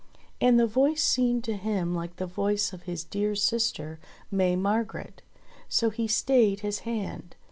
And the voice seemed to him like the voice of his dear sister May Margret. So he stayed his hand.